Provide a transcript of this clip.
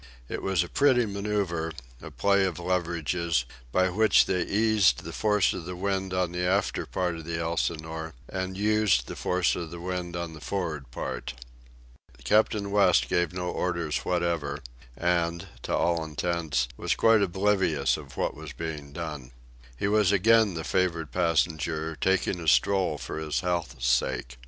It was a pretty manoeuvre, a play of leverages, by which they eased the force of the wind on the after part of the Elsinore and used the force of the wind on the for'ard part. Captain West gave no orders whatever, and, to all intents, was quite oblivious of what was being done. He was again the favoured passenger, taking a stroll for his health's sake.